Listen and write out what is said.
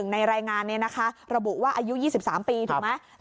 ๑ในรายงานระบุว่าอายุ๒๓ปีถูกไหม